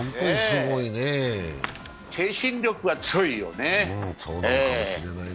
精神力が強いよね。